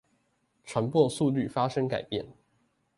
傳播速率發生改變